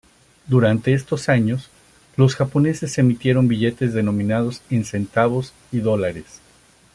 Durante estos años, los japoneses emitieron billetes denominados en centavos y dólares.